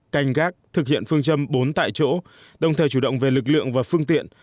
canh gác thực hiện phương châm bốn tại chỗ đồng thời chủ động về lực lượng và phương tiện